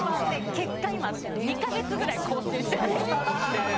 結果、２か月くらい更新してない。